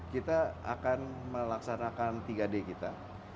kita akan melaksanakan tiga d kita